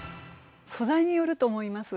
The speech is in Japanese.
素材によると思います。